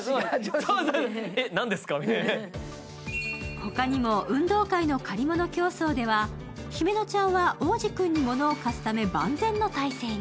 他にも運動会の借り物競走では姫乃ちゃんは逢司君に物を貸すため万全の態勢に。